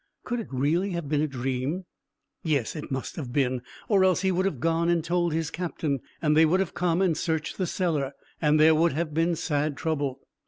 Could it really have been a dream?" "Yes, it must have been, or else he would have gone and told his captain, and they would have come and searched the cellar, and there would have been sad trouble."